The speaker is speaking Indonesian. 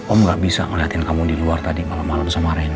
om gak bisa ngeliatin kamu di luar tadi malam malam sama rein